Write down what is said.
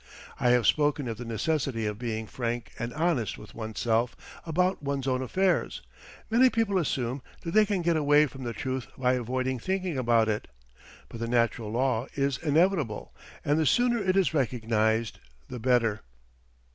I have spoken of the necessity of being frank and honest with oneself about one's own affairs: many people assume that they can get away from the truth by avoiding thinking about it, but the natural law is inevitable, and the sooner it is recognized, the better.